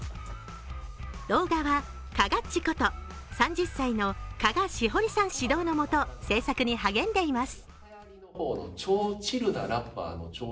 動画は、かがっちこと３０歳の加賀史穂理さん指導の下、制作に励んでいます。